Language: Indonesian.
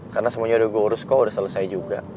karena semuanya udah gua urus kok udah selesai juga